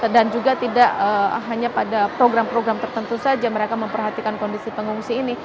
dan juga tidak hanya pada program program tertentu saja mereka memperhatikan kondisi pengungsi ini